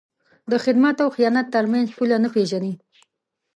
د خدمت او خیانت تر منځ پوله نه پېژني.